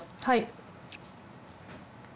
はい。